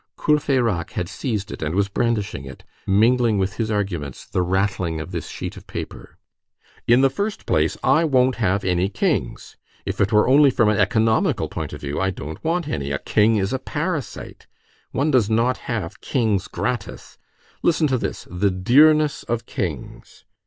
Courfeyrac had seized it, and was brandishing it, mingling with his arguments the rattling of this sheet of paper. "In the first place, I won't have any kings; if it were only from an economical point of view, I don't want any; a king is a parasite. One does not have kings gratis. Listen to this: the dearness of kings.